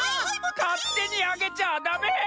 かってにあげちゃダメ！